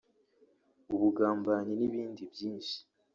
ubugambanyi n’ibindi byinshi